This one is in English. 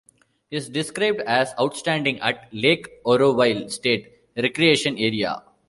Is described as outstanding at Lake Oroville State Recreation Area.